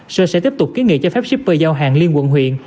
sở sẽ tiếp tục ký nghị cho phép shipper giao hàng liên quận huyện